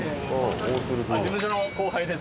事務所の後輩です。